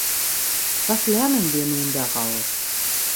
Was lernen wir nun daraus?